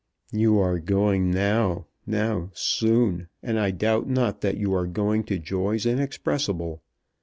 "You are going now, now soon, and I doubt not that you are going to joys inexpressible.